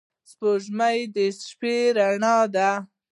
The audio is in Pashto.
• سپوږمۍ د شپې رڼا ده.